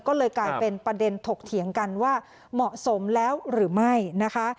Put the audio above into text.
ก็เลยกลายเป็นประเด็นถกเถียงกันว่าเหมาะสมแล้วหรือไม่นะคะ